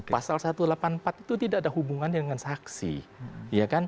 pasal satu ratus delapan puluh empat itu tidak ada hubungannya dengan saksi